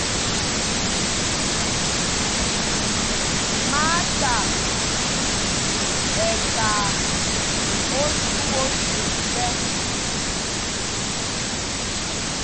Maata ɛ́ kaa osû o sûk ɓɛ́.